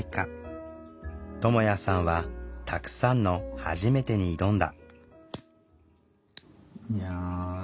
ともやさんはたくさんの「はじめて」に挑んだ。